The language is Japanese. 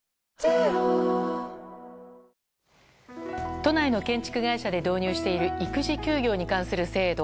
都内の建築会社で導入している育児休業に関する制度。